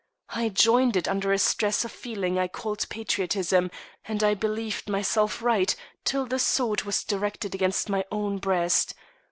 I joined it under a stress of feeling I called patriotism, and I believed myself right till the sword was directed against my own breast.